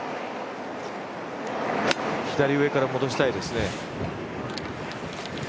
左上から戻したいですね。